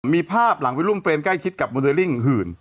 มีภาพของล่างวิดีโลมเฟรมใกล้ชิดกับมดเตอริงหื่น